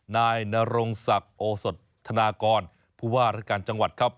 นายนรงศักดิ์โอสดธนากรผู้ว่ารัฐการจังหวัดครับ